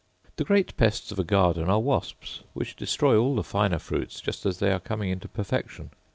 The great pests of a garden are wasps, which destroy all the finer fruits just as they are coming into perfection.